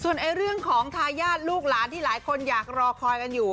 ส่วนเรื่องของทายาทลูกหลานที่หลายคนอยากรอคอยกันอยู่